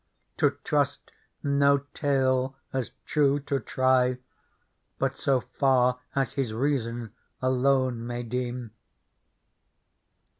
To trust no tale as true to try But so far as his reason alone may deem.